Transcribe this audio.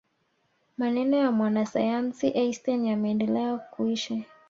maneno ya mwanasayansi einstein yameendelea kuishi